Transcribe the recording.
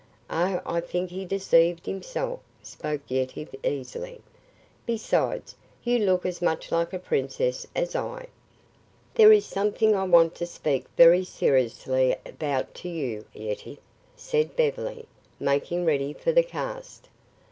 "Oh, I think he deceived himself," spoke Yetive easily. "Besides, you look as much like a princess as I." "There is something I want to speak very seriously about to you, Yetive," said Beverly, making ready for the cast.